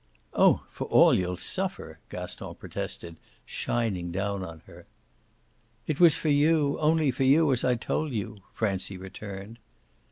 "Oh for all you'll suffer !" Gaston protested, shining down on her. "It was for you only for you, as I told you," Francie returned.